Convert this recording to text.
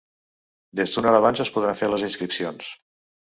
Des d’una hora abans es podran fer les inscripcions.